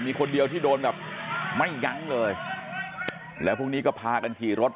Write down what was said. มีคนเดียวที่โดนแบบไม่ยั้งเลยแล้วพรุ่งนี้ก็พากันขี่รถ